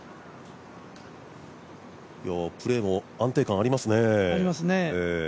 プレーも安定感ありますね。